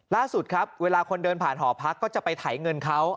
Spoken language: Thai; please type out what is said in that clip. ล่าสุดครับเวลาคนเดินผ่านหอพักก็จะไปไถเงินเขา